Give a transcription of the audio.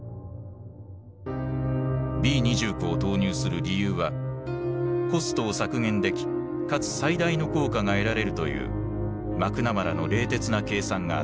Ｂー２９を投入する理由はコストを削減できかつ最大の効果が得られるというマクナマラの冷徹な計算があった。